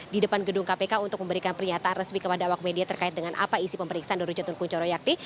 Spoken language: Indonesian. di depan gedung kpk untuk memberikan pernyataan resmi kepada awak media terkait dengan apa isi pemeriksaan doro jatun kunchoro yakti